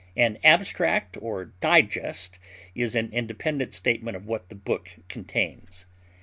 An abstract or digest is an independent statement of what the book contains.